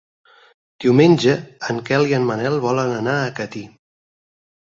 Diumenge en Quel i en Manel volen anar a Catí.